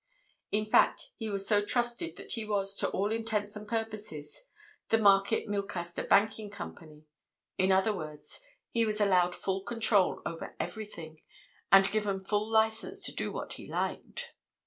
In fact, he was so trusted that he was, to all intents and purposes, the Market Milcaster Banking Company; in other words he was allowed full control over everything, and given full licence to do what he liked.